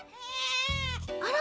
あら？